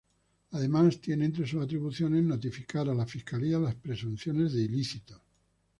Además, tiene entre sus atribuciones notificar a la Fiscalía las presunciones de ilícitos.